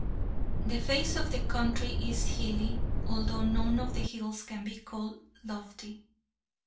The face of the country is hilly, although none of the hills can be called lofty.